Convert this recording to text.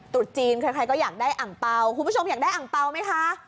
ตรุษจีนใครก็อยากได้อังเปล่าคุณผู้ชมอยากได้อ่างเปล่าไหมคะ